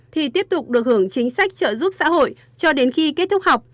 thì tiếp tục được hưởng chính sách trợ giúp xã hội cho đến khi kết thúc học